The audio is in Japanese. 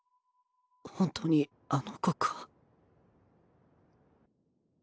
本当にあの子か？